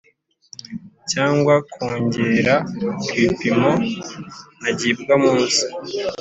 cyangwa kwongera ibipimo ntagibwamunsi